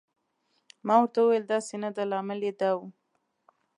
ما ورته وویل: داسې نه ده، لامل یې دا و.